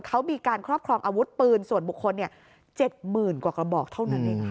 เขามีการครอบครองอาวุธปืนส่วนบุคคล๗๐๐กว่ากระบอกเท่านั้นเองค่ะ